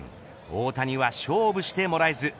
大谷は勝負してもらえず。